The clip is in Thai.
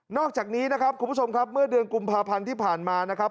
อกจากนี้นะครับคุณผู้ชมครับเมื่อเดือนกุมภาพันธ์ที่ผ่านมานะครับ